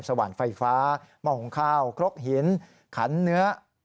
สวรรค์ไฟฟ้ามองขาวครบหินขันเนื้อ